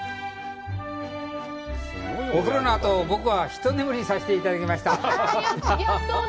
お風呂のあと僕は一眠りさせてもらいました。